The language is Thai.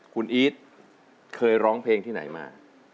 คุณอีทเคยร้องเพลงที่ไหนมา